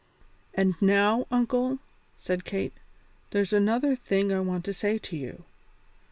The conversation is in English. "And now, uncle," said Kate, "there's another thing I want to say to you.